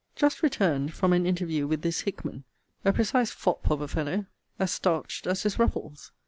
Just returned from an interview with this Hickman: a precise fop of a fellow, as starched as his ruffles.